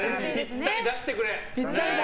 ぴったり出してくれ！